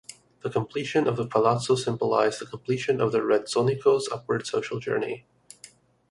The completion of the palazzo symbolised the completion of the Rezzonico's upward social journey.